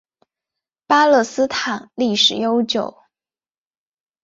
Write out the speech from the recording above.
巴勒斯坦历史悠久。